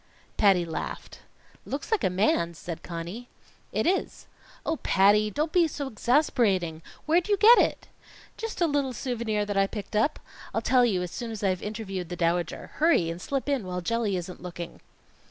Patty laughed. "Looks like a man's," said Conny. "It is." "Oh, Patty! Don't be so exasperating. Where'd you get it?" "Just a little souvenir that I picked up. I'll tell you as soon as I've interviewed the Dowager. Hurry, and slip in while Jelly isn't looking."